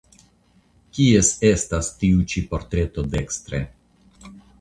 Kies estas tiu ĉi portreto dekstre?